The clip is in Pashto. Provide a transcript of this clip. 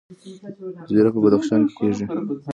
زیره په بدخشان کې کیږي